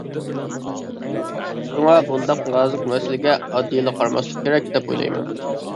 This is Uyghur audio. شۇڭا، بۇنداق نازۇك مەسىلىگە ئاددىيلا قارىماسلىق كېرەك دەپ ئويلايمەن.